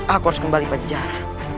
aku harus kembali panjar